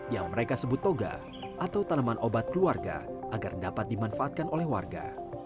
yang mereka sebut toga atau tanaman obat keluarga agar dapat dimanfaatkan oleh warga